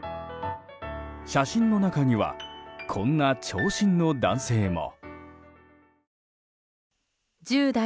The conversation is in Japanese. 写真の中にはこんな長身の男性も。